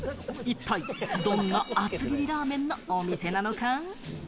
一体、どんな厚切りラーメンのお店なのか？